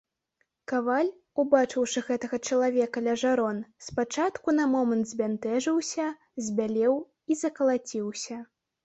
Каваль, убачыўшы гэтага чалавека ля жарон, спачатку на момант збянтэжыўся, збялеў і закалаціўся.